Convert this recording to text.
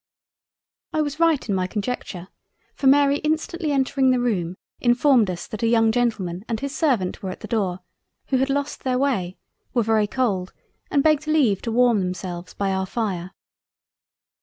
I was right in my conjecture; for Mary instantly entering the Room, informed us that a young Gentleman and his Servant were at the door, who had lossed their way, were very cold and begged leave to warm themselves by our fire.